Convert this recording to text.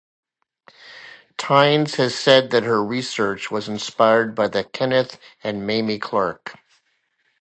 Tynes has said that her research was inspired by the Kenneth and Mamie Clark.